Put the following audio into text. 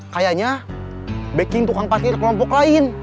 kayaknya backing tukang pasir kelompok lain